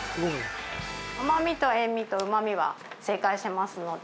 甘味と塩味とうま味は正解してますので。